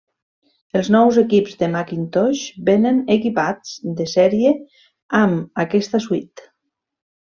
Els nous equips de Macintosh vénen equipats de sèrie amb aquesta suite.